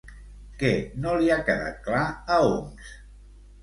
Què no li ha quedat clar a Homs?